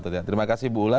terima kasih bu ulla